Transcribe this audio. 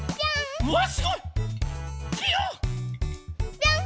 ぴょん！